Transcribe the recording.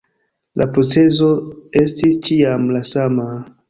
La procezo estis ĉiam la sama..